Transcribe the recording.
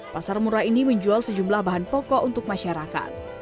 pasar murah ini menjual sejumlah bahan pokok untuk masyarakat